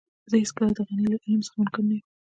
زه هېڅکله هم د غني له علم څخه منکر نه يم.